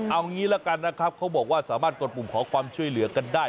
เอางี้ละกันนะครับเขาบอกว่าสามารถกดปุ่มขอความช่วยเหลือกันได้